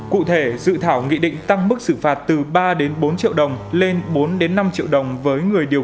cụ thể dự thảo nghị định tăng mức xử phạt từ ba bốn triệu đồng lên bốn năm triệu đồng với người điều